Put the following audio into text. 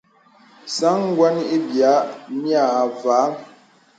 Sāŋ gwə́n ï biə̂ niə avàhàŋ.